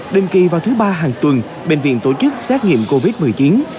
đừng kỳ vào thứ ba hàng tuần bệnh viện tổ chức xét nghiệm covid một mươi chín